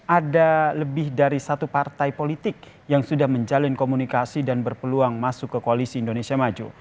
ada lebih dari satu partai politik yang sudah menjalin komunikasi dan berpeluang masuk ke koalisi indonesia maju